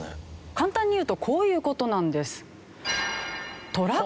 簡単にいうとこういう事なんです。